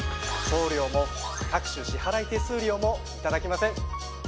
送料も各種支払い手数料もいただきません。